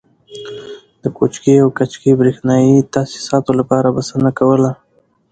د کوکچې او کجکي برېښنایي تاسیساتو لپاره بسنه کوله.